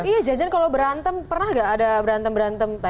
iya jajan kalau berantem pernah gak ada berantem berantem